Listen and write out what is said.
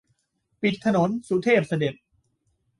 ปิดถนน สุเทพเสด็จ